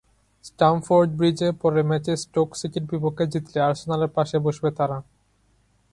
Stamford ব্রিজে পরের ম্যাচে স্টোক সিটির বিপক্ষে জিতলে আর্সেনালের পাশে বসবে তারা।